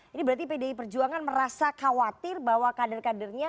ini berarti pdi perjuangan merasa khawatir bahwa kader kadernya